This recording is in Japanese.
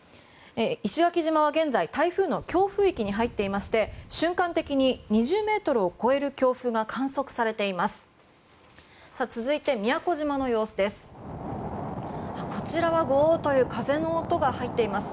石垣島は現在台風の強風域に入っていまして瞬間的に２０メートルを超える強風が観測されています。